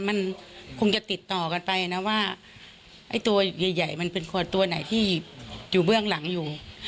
มันคงจะติดต่อกันไปนะว่าไอ้ตัวใหญ่มันเป็นคนตัวไหนที่อยู่เบื้องหลังอยู่